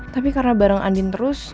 tapi karena barang andin terus